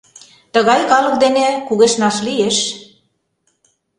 Тыгай калык дене кугешнаш лиеш.